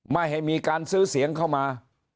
ไม่ให้มีการซื้อเสียงเข้ามา